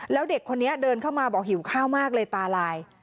แล้วเด็กคนนี้เดินเข้ามาบอกหิวข้าวมากเลยตาลาย